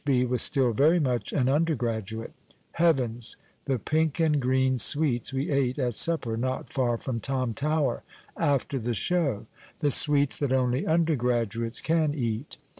B. was still very much an undergraduate. Heavens ! the pink and green sweets we ate at supper not far from Tom Tower after the show — the sweets that only undergraduates can cat